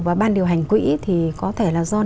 và ban điều hành quỹ thì có thể là do